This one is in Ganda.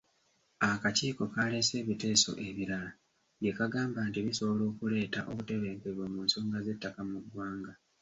Akakiiko kaaleese ebiteeso ebirala bye kagamba nti bisobola okuleeta obutebenkevu mu nsonga z’ettaka mu ggwanga.